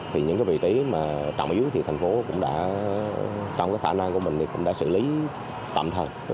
thì những cái vị trí mà trọng ứng thì thành phố cũng đã trong cái khả năng của mình thì cũng đã xử lý tậm thần